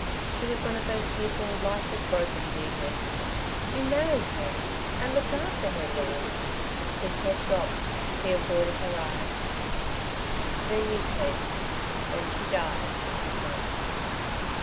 She was one of those people life has broken, Deirdre." "You married her ... and looked after her, Dan!" His head dropped; he avoided her eyes. "Then you came ... and she died," he said.